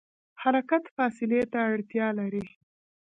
حرکت فاصلې ته اړتیا لري.